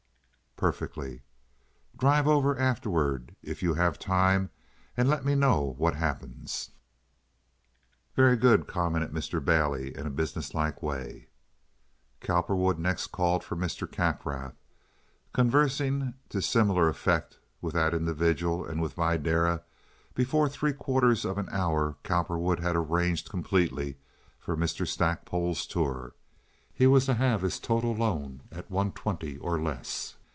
"Perfectly." "Drive over afterward if you have time and let me know what happens." "Very good," commented Mr. Bailey, in a businesslike way. Cowperwood next called for Mr. Kaffrath. Conversing to similar effect with that individual and with Videra, before three quarters of an hour Cowperwood had arranged completely for Mr. Stackpole's tour. He was to have his total loan at one twenty or less.